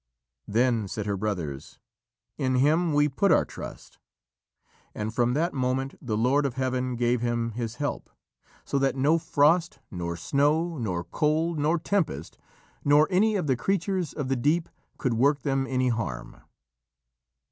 Then said her brothers: "In Him we put our trust," and from that moment the Lord of Heaven gave them His help, so that no frost, nor snow, nor cold, nor tempest, nor any of the creatures of the deep could work them any harm.